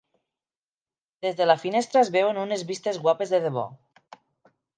Des de la finestra es veuen unes vistes guapes de debò.